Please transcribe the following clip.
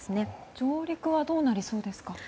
上陸はどうなりそうですか？